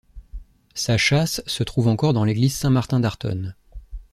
Sa châsse se trouve encore dans l'église Saint-Martin d'Artonne.